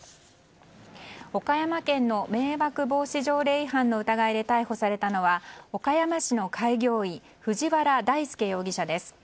岡山県の迷惑防止条例違反の疑いで逮捕されたのは岡山市の開業医藤原大輔容疑者です。